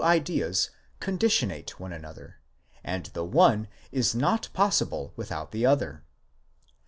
773 ideas conditionate one another, and the one is not possible without the other.